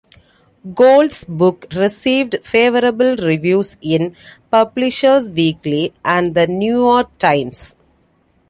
Gould's book received favorable reviews in "Publishers Weekly" and "The New York Times".